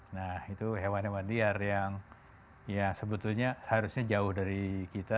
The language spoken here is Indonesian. nah itu hewan hewan liar yang ya sebetulnya seharusnya jauh dari kita